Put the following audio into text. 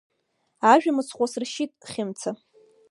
Ажәа мыцхә уасыршьит, Хьымца.